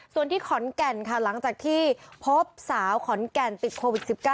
ส่วนที่ขอนแก่นค่ะหลังจากที่พบสาวขอนแก่นติดโควิด๑๙